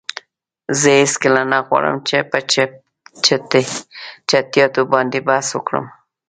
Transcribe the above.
زه هیڅکله نه غواړم چې په چټییاتو باندی بحث وکړم.